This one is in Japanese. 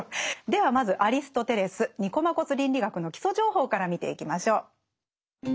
ではまずアリストテレス「ニコマコス倫理学」の基礎情報から見ていきましょう。